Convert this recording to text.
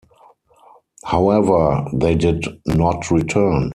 However, they did not return.